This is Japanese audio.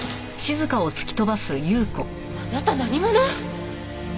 あなた何者？